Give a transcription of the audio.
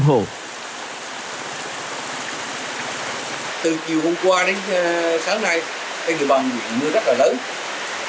từ chiều hôm qua đến sáng nay trên người bàm huyện mưa rất là lớn